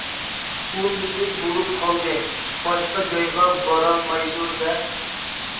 ئۇ مېيىپ بولۇپ قالدى، باشقا جايغا بارالمايدۇ-دە!